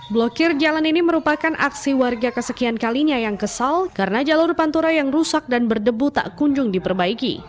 blokir jalan ini merupakan aksi warga kesekian kalinya yang kesal karena jalur pantura yang rusak dan berdebu tak kunjung diperbaiki